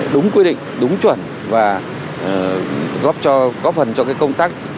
đúng quy định đúng chuẩn và góp phần cho công tác